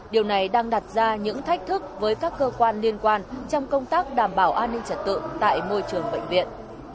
điều này đang đặt ra những thách thức với các cơ quan liên quan trong công tác đảm bảo an ninh trật tự tại môi trường bệnh viện